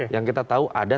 yang kita tahu ada